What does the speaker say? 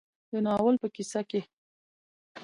د ناول په کيسه کې